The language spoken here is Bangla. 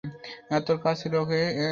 তোর কাজ ছিল তাকে এখানে আনা।